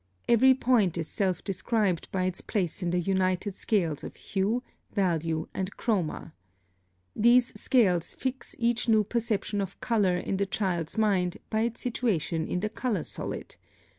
Every point is self described by its place in the united scales of hue, value, and chroma. These scales fix each new perception of color in the child's mind by its situation in the color solid.